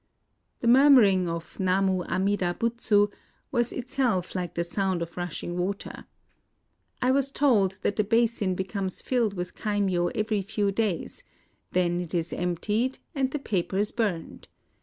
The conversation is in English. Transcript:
The murmuring of Namu Amida Butsu was itself like the sound of rushing water. I was told that the basin becomes filled with kaimyo every few days ;— then it is emptied, and the papers burned.